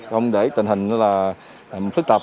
không để tình hình phức tạp